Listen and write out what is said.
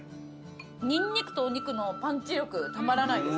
ニンニクとお肉のパンチ力たまらないです。